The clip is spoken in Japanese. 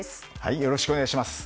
よろしくお願いします。